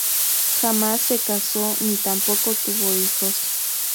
Jamás se casó, ni tampoco tuvo hijos.